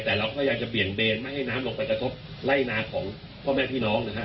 แต่เราพยายามจะเบี่ยงเบนไม่ให้น้ำลงไปกระทบไล่นาของพ่อแม่พี่น้องนะครับ